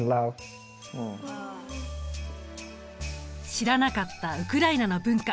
知らなかったウクライナの文化。